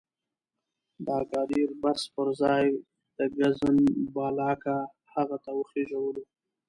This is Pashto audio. د اګادیر بس پر ځای د کزنبلاکه هغه ته وخېژولو.